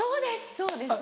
そうです！